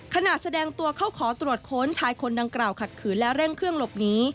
แสดงตัวเข้าขอตรวจค้นชายคนดังกล่าวขัดขืนและเร่งเครื่องหลบหนี